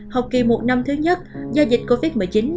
học kỳ một năm thứ nhất do dịch covid một mươi chín